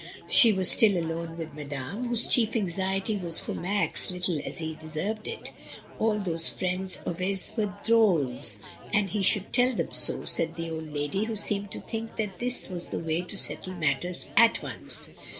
She was still alone with Madame, whose chief anxiety was for Max, little as he deserved it. "All those friends of his were drdleSj and he should tell them so," said the old lady, who seemed to think that this was the way to settle matters at once.